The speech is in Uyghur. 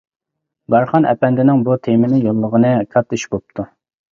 بارخان ئەپەندىنىڭ بۇ تېمىنى يوللىغىنى كاتتا ئىش بوپتۇ.